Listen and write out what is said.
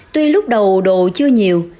tuy lúc đầu đồ chưa nhiều